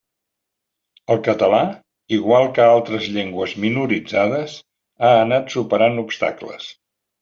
El català, igual que altres llengües minoritzades, ha anat superant obstacles.